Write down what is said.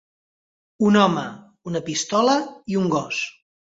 Un home, una pistola i un gos.